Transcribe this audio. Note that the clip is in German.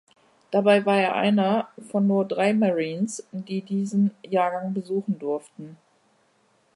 Dabei war er einer von nur drei Marines, die diesen Jahrgang besuchen durften.